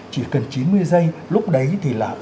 chỉ cần chín mươi giây lúc đấy thì là